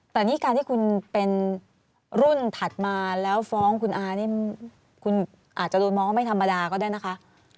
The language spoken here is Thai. แต่นี่การที่คุณเป็นรุ่นถัดมาแล้วฟ้องคุณอานี่คุณอาจจะโดนมองว่าไม่ธรรมดาก็ได้นะคะ